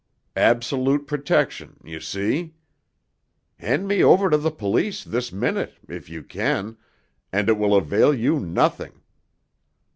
Absolute protection—you see? Hand me over to the police this minute—if you can—and it will avail you nothing.